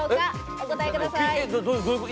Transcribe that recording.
お答えください。